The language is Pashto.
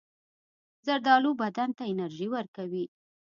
زردالو بدن ته انرژي ورکوي.